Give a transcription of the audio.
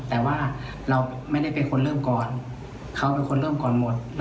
แต่ว่าเราไม่ได้เป็นคนเริ่มก่อนเขาเป็นคนเริ่มก่อนหมด